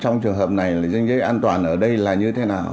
trong trường hợp này danh giới an toàn ở đây là như thế nào